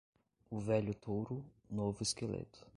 O velho touro, novo esqueleto.